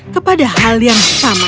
kepada hal yang sama